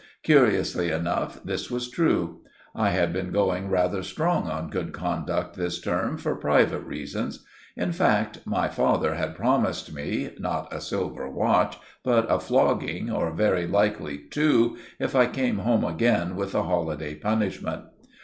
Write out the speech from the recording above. Curiously enough, this was true. I had been going rather strong on good conduct this term for private reasons. In fact, my father had promised me—not a silver watch—but a flogging, or very likely two, if I came home again with a holiday punishment.